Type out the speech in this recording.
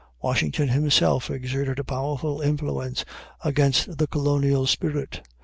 Washington himself exerted a powerful influence against the colonial spirit.